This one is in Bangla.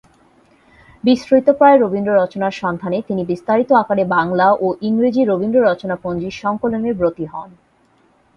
বিস্মৃতপ্রায় রবীন্দ্র-রচনার সন্ধানে তিনি বিস্তারিত আকারে বাংলা ও ইংরাজী 'রবীন্দ্র-রচনা-পঞ্জী' সংকলনে ব্রতী হন।